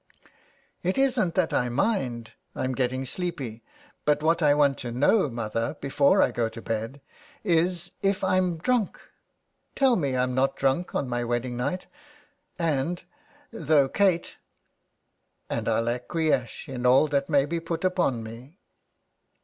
" It isn't that I mind ; I'm getting sleepy, but what I want to know, mother, before I go to bed, is if I'm drunk. Tell me I'm not drunk on my wedding night, and, though Kate — and I'll acquie esh in all that may be put upon me."